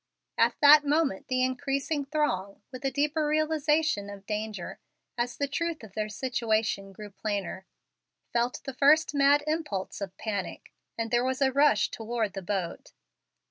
At that moment the increasing throng, with a deeper realization of danger, as the truth of their situation grew plainer, felt the first mad impulse of panic, and there was a rush toward the boat.